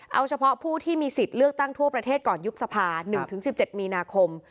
เอาเฉพาะผู้ที่มีสิทธิ์เลือกตั้งทั่วประเทศก่อนยุบสภา๑๑๗มีนาคม